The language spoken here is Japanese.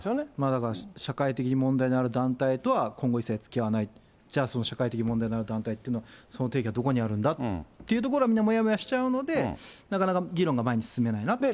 だから社会的に問題のある団体とは今後、一切つきあわない、じゃあその社会的問題がある団体っていうのは、その定義がどこにあるんだというところは、みんな、もやもやしちゃうので、なかなか議論が前に進めないなって。